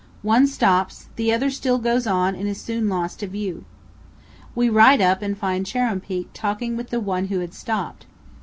One stops; the other still goes on and is soon lost to view. We ride up and find Chuar'ruumpeak talking with the one who had stopped.